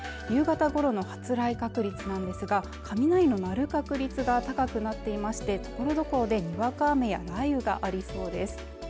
夕方頃の発雷確率なんですが雷の鳴る確率が高くなっていましてところどころでにわか雨や雷雨がありそうです